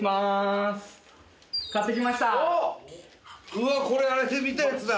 うわっこれあれで見たやつだ！